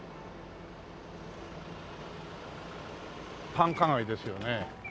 繁華街ですよね。